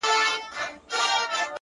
o روح مي لا ورک دی؛ روح یې روان دی؛